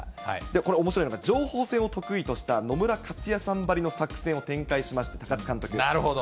これ、おもしろいのが、情報戦を得意とした野村克也さんばりの作戦を展開しました高津監なるほど。